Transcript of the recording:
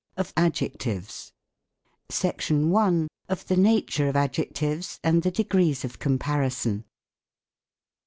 OF ADJECTIVES. SECTION I. OF THE NATURE OF ADJECTIVES AND THE DEGREES OF COMPARISON.